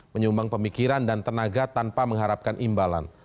menyumbang pemikiran dan tenaga tanpa mengharapkan imbalan